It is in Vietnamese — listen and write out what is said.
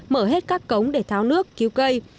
mở hết các cống để tháo nước cứu cây